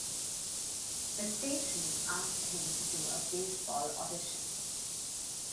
The station asked him to do a baseball audition.